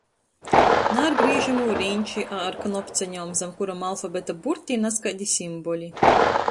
Na ar grīžamū riņči, a ar knopceņom, zam kurom alfabeta burti i nazkaidi simboli.